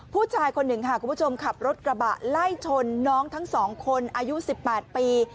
ผู้ชายคนหนึ่งค่ะคุณผู้ชมขับรถกระบะไล่ชนน้องทั้งสองคนอายุ๑๘ปี